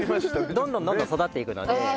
どんどんどんどん育っていくので。